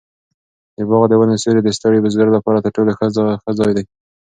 د باغ د ونو سیوری د ستړي بزګر لپاره تر ټولو ښه ځای دی.